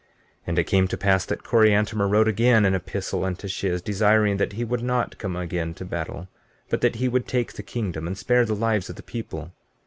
15:18 And it came to pass that Coriantumr wrote again an epistle unto Shiz, desiring that he would not come again to battle, but that he would take the kingdom, and spare the lives of the people.